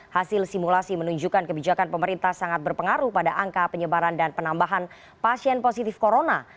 hasil simulasi menunjukkan kebijakan pemerintah sangat berpengaruh pada angka penyebaran dan penambahan pasien positif corona